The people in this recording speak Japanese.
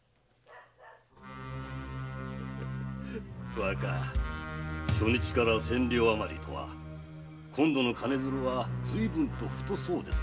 若初日から千両あまりとは今度の金づるはずいぶんと太そうですな。